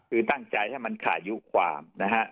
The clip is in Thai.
คือตั้งใจให้มันขายุความนะฮะ